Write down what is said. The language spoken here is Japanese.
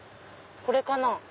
これかな？